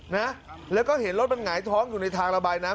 นะแล้วก็เห็นรถมันหงายท้องอยู่ในทางระบายน้ำ